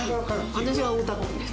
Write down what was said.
私は大田区です。